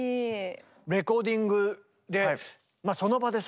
レコーディングでその場でさ